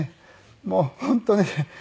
もう本当ね。